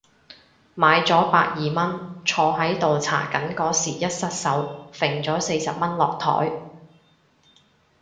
買咗百二蚊，坐喺度搽緊嗰時一失手揈咗四十蚊落枱